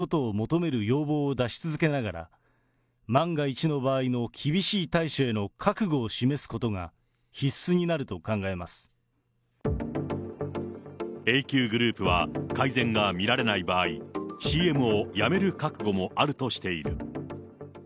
弊社としても、再発防止計画を改善することを求める要望を出し続けながら、万が一の場合の厳しい対処への覚悟を示すことが、必須になると考ＡＱＧｒｏｕｐは、改善が見られない場合、ＣＭをやめる覚悟もあるとしている。